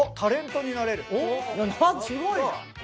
すごいじゃん。